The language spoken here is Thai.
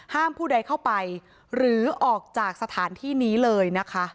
ผู้ใดเข้าไปหรือออกจากสถานที่นี้เลยนะคะ